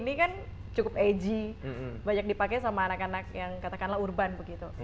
ini kan cukup egy banyak dipakai sama anak anak yang katakanlah urban begitu